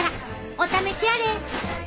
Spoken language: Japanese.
お試しあれ。